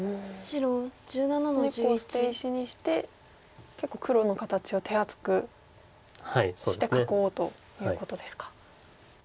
この１個を捨て石にして結構黒の形を手厚くして囲おうということですか。